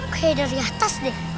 kayak dari atas deh